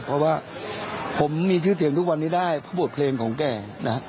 เพราะว่าผมมีชื่อเสียงทุกวันนี้ได้เพราะบทเพลงของแกนะครับ